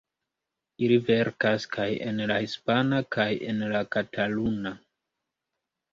Ili verkas kaj en la hispana kaj en la kataluna.